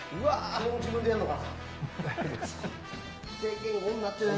これも自分でやるのか。